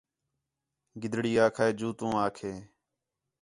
گِدڑی آکھا ہِِے جوں تُوں آکھیں